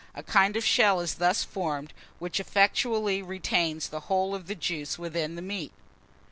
A kind of shell is thus formed, which effectually retains the whole of the juice within the meat.